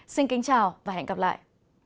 xin kính chào và hẹn gặp lại